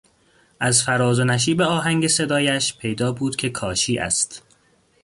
از فراز و نشیب آهنگ صدایش پیدا بود که کاشی است.